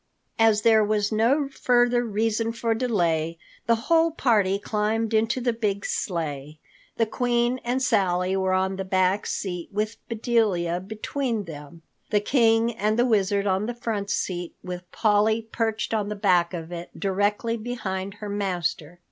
As there was no further reason for delay, the whole party climbed into the big sleigh. The Queen and Sally were on the back seat with Bedelia between them, the King and the Wizard on the front seat with Polly perched on the back of it directly behind her master.